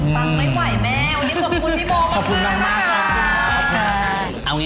ตั้งไม่ไหวแม่วันนี้ขอบคุณพี่โบว์มากค่ะ